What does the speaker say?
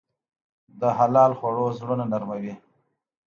د حلال خوړو زړونه نرموي.